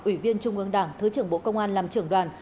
ủy viên trung ương đảng thứ trưởng bộ công an làm trưởng đoàn